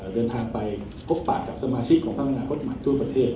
เดินทางไปพบปากกับสมาชิกของพักอนาคตใหม่ทั่วประเทศ